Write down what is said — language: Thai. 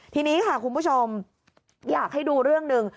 ทีนี้ค่ะคุณผู้ชมอยากให้ดูเรื่องหนึ่ง